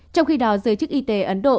trong khi đó giới chức y tế ấn độ